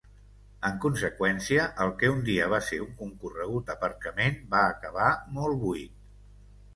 En conseqüència, el que un dia va ser un concorregut aparcament va acabar molt buit.